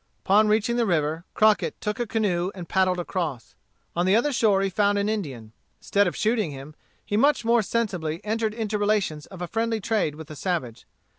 Upon reaching the river, Crockett took a canoe and paddled across. On the other shore he found an Indian. Instead of shooting him, he much more sensibly entered into relations of friendly trade with the savage.